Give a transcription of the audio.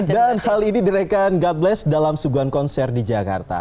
dan hal ini direkan god bless dalam suguhan konser di jakarta